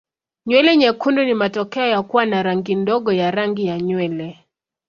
Nywele nyekundu ni matokeo ya kuwa na rangi ndogo ya rangi ya nywele.